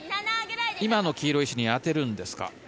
今の黄色い石に当てるんですか？